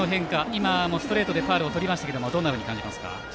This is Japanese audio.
今もストレートでファウルをとりましたがどう感じますか。